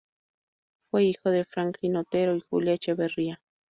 Fue hijo de Franklin Otero y Julia Echeverría.